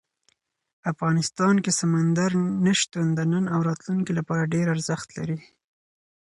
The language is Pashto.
افغانستان کې سمندر نه شتون د نن او راتلونکي لپاره ډېر زیات ارزښت لري.